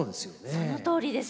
そのとおりです。